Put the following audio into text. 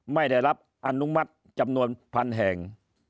ไม่ได้รับอนุมัติจำนวนพันแห่ง